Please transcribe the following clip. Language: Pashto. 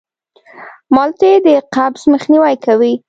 مالټې د قبض مخنیوی کوي.